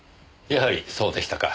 やはりそうでしたか。